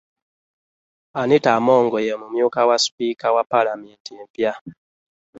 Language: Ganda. Anita Among, ye mumyuka wa sipiika wa ppaalamenti empya.